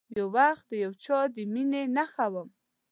یو وخت د یو چا د میینې نښه وم